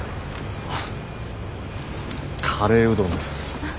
カレーうどんです。